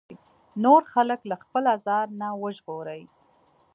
نور خلک له خپل ازار نه وژغوري.